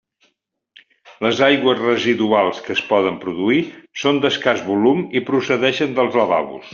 Les aigües residuals que es poden produir són d'escàs volum i procedeixen dels lavabos.